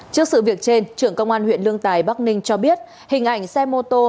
trước sự việc trên trưởng công an huyện lương tài bắc ninh cho biết hình ảnh xe mô tô